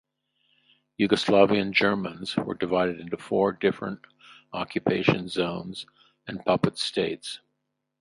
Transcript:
Yugoslavian Germans were divided between four different occupation zones and puppet states.